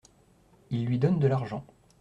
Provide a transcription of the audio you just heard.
Il lui donne de l’argent.